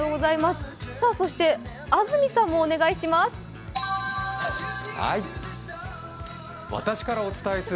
安住さんもお願いします。